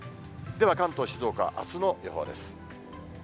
では、関東、静岡、あすの予報です。